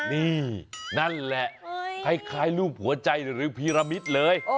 นี่นั่นแหละคล้ายรูปหัวใจหรือพีรมิตรเลย